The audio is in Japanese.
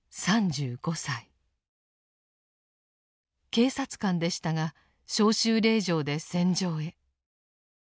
警察官でしたが召集令状で戦場へ。